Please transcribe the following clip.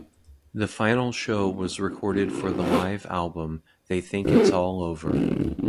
The final show was recorded for the live album They Think It's All Over...